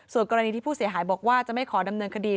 ส่วนกรณีที่ผู้เสียหายบอกว่าจะไม่ขอดำเนินคดี